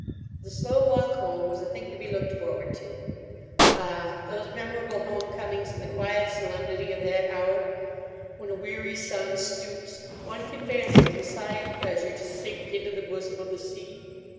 The slow walk home was a thing to be looked forward to. Ah! those memorable homecomings in the quiet solemnity of that hour, when a weary sun stoops, one can fancy with a sigh of pleasure, to sink into the bosom of the sea!